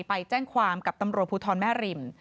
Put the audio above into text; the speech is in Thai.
ไปแจ้งความกับตำรวจภูทรแม่ริม